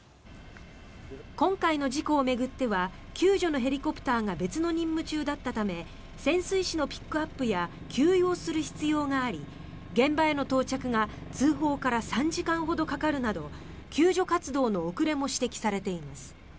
今回の事故を巡っては救助のヘリコプターが別の任務中だったため潜水士のピックアップや給油をする必要があり現場への到着が通報から３時間ほどかかるなど救助活動の遅れも指摘されています。